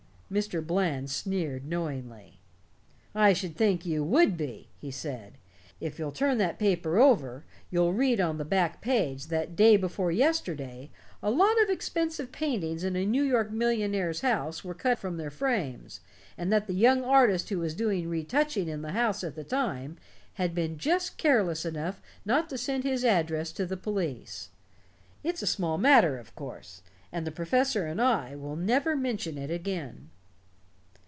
Mr. Bland sneered knowingly. "I should think you would be," he said. "If you'll turn that paper over you'll read on the back page that day before yesterday a lot of expensive paintings in a New York millionaire's house were cut from their frames, and that the young artist who was doing retouching in the house at the time has been just careless enough not to send his address to the police. It's a small matter, of course, and the professor and I will never mention it again."